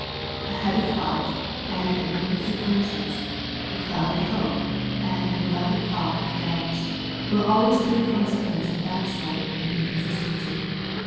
A heavy heart, and an un easy conscience, a clouded hope, and an abundant crop of doubts, wiU always be the consequence of backsliding and inconsistency.